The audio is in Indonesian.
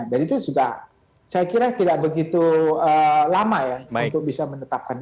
dan itu juga saya kira tidak begitu lama ya untuk bisa menetapkan